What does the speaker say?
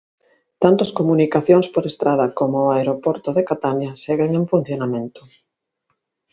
Tanto as comunicacións por estrada como o aeroporto de Catania seguen en funcionamento.